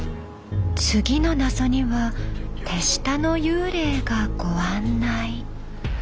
次の謎には手下の幽霊がご案内。